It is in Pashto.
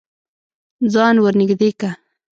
ځان ور نږدې که.